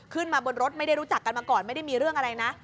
ขึ้นมาบนรถไม่ได้รู้จักกันมาก่อนไม่ได้มีเรื่องอะไรนะ